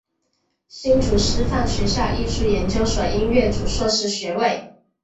新竹师范学校艺术研究所音乐组硕士学位。